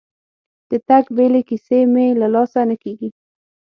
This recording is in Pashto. د تګ بیلې کیسې مې له لاسه نه کېږي.